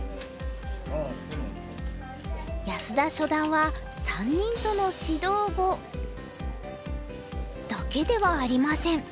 安田初段は３人との指導碁だけではありません。